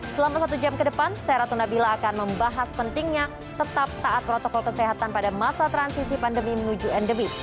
selama satu jam ke depan saya ratu nabila akan membahas pentingnya tetap taat protokol kesehatan pada masa transisi pandemi menuju endemi